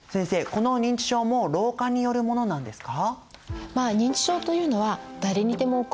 この認知症も老化によるものなんですか？